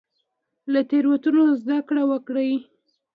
له تیروتنو زده کړه وکړئ